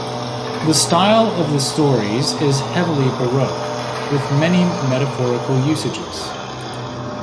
The style of the stories is heavily Baroque, with many metaphorical usages.